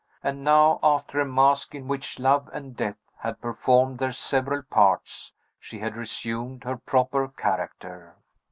And now, after a mask in which love and death had performed their several parts, she had resumed her proper character.